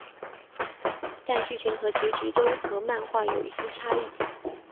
但剧情和结局都和漫画有一些差异。